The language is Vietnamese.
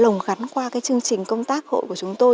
chúng tôi đã lồng gắn qua cái chương trình công tác hội của chúng tôi